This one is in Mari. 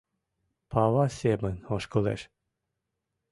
Пава семын ошкылеш